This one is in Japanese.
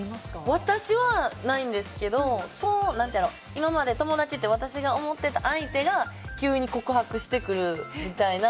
私はないんですけど今まで友達って私が思ってた相手が急に告白してくるみたいな。